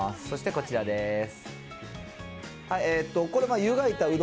そしてこちらです。